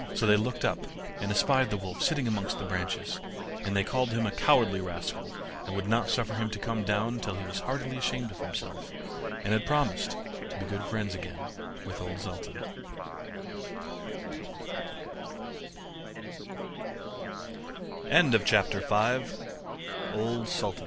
So they looked up, and espied the wolf sitting amongst the branches; and they called him a cowardly rascal, and would not suffer him to come down till he was heartily ashamed of himself, and had promised to be good friends again w